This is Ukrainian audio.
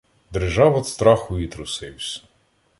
Дрижав од страху і трусивсь.